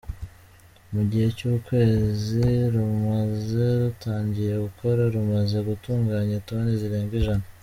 Mu gihe cy’ukwezi rumaze rutangiye gukora, rumaze gutunganya toni zirenga ijana.